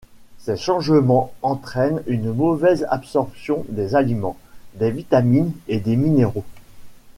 Ces changements entraînent une mauvaise absorption des aliments, des vitamines et des minéraux.